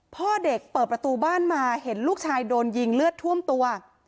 พ่อเด็กเปิดประตูบ้านมาเห็นลูกชายโดนยิงเลือดท่วมตัว